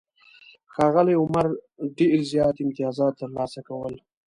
ښاغلي عمر ډېر زیات امتیازات ترلاسه کول.